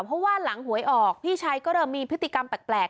เพราะว่าหลังหวยออกพี่ชายก็เริ่มมีพฤติกรรมแปลก